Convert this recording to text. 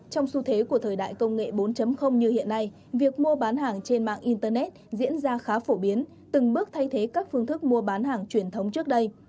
trong xu thế của thời đại công nghệ bốn như hiện nay việc mua bán hàng trên mạng internet diễn ra khá phổ biến từng bước thay thế các phương thức mua bán hàng truyền thống trước đây